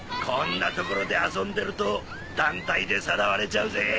こんな所で遊んでると団体でさらわれちゃうぜ！